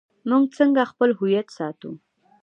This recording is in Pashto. موږ څنګه خپل هویت ساتو؟